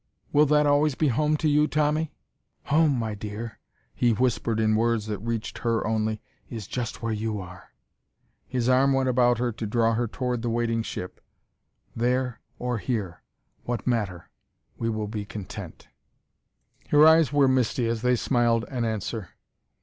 "Will that always be home to you, Tommy?" "Home, my dear," he whispered in words that reached her only, "is just where you are." His arm went about her to draw her toward the waiting ship. "There or here what matter? We will be content." Her eyes were misty as they smiled an answer.